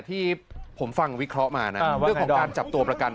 ที่ผมฟังวิเคราะห์มานะเรื่องของการจับตัวประกัน